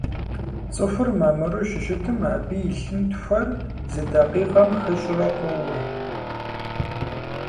ЦӀыхур мамыру щыщытым абы и лъынтхуэр зы дакъикъэм хыщӀрэ къоуэ.